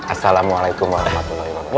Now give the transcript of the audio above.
assalamualaikum warahmatullahi wabarakatuh